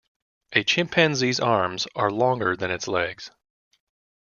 A chimpanzee's arms are longer than its legs.